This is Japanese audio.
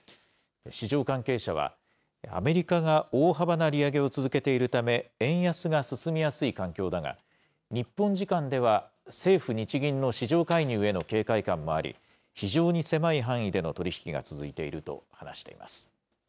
市場関係者は、アメリカが大幅な利上げを続けているため、円安が進みやすい環境だが、日本時間では政府・日銀の市場介入への警戒感もあり、非常に狭い範囲での取り引きが続いていると話しています。